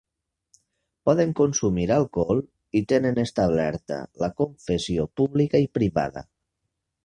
Poden consumir alcohol i tenen establerta la confessió pública i privada.